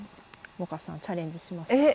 萌歌さんチャレンジします？